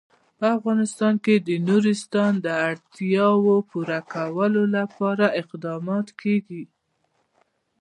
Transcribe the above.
په افغانستان کې د نورستان د اړتیاوو پوره کولو لپاره اقدامات کېږي.